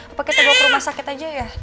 apa kita bawa ke rumah sakit aja ya